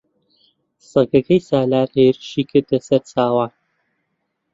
سەگەکەی سالار هێرشی کردە سەر چاوان.